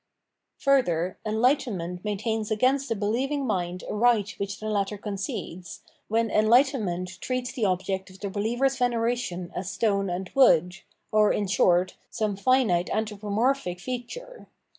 Rurther, enhghtenment maintains against the be heving mind a right which the latter concedes, when enhghtenment treats the object of the behever's veneration as stone and wood, or, in short, some fimte anthropomorphic feature.